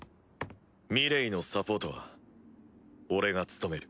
ミレイのサポートは俺が務める。